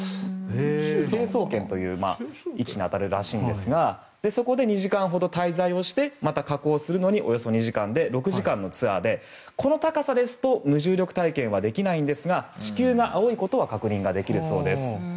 成層圏という位置に当たるらしいんですがそこで２時間ほど滞在をしてまた下降するのにおよそ２時間で６時間のツアーでこの高さですと無重力体験はできないんですが地球が青いことは確認ができるそうです。